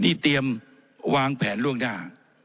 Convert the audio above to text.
นี่เตรียมวางแผนล่วงหน้า